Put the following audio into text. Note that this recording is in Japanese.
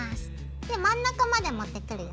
で真ん中まで持ってくるよ。